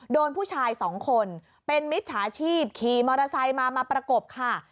โดนผู้ชายสองคนเป็นมิจฉาชีพขี่มอเตอร์ไซค์มามาประกบค่ะ